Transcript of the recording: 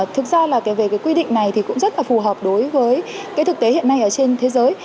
thực ra là về cái quy định này thì cũng rất là phù hợp đối với cái thực tế hiện nay ở trên thế giới